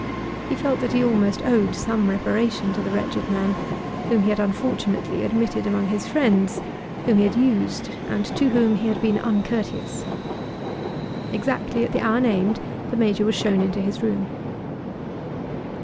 He felt that he almost owed some reparation to the wretched man, whom he had unfortunately admitted among his friends, whom he had used, and to whom he had been uncourteous. Exactly at the hour named the Major was shown into his room.